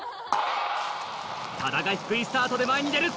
多田が低いスタートで前に出る！